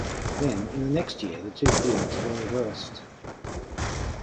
Then, in the next year, the two fields were reversed.